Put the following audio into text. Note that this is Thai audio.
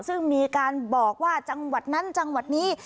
ซึ่งมีการบอกว่าจังหวัดนั้นจังหวัดนี้